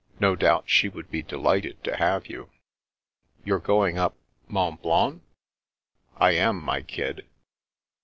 No doubt she would be delighted to have you.^ You're going up— Mont Blanc ?" I am, my Kid.'